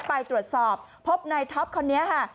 ไปตรวจสอบพบนายท็อปคนนี้ค่ะ